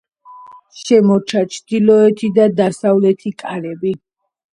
შემორჩა ჩრდილოეთი და დასავლეთი კარები.